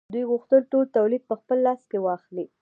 دوی غوښتل ټول تولید په خپل لاس کې واخلي